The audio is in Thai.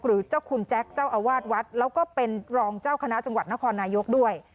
หรือเจ้าคุณแจ็คเจ้าอาวาสวัดแล้วก็เป็นรองเจ้าคณะจังหวัดนครนายกด้วย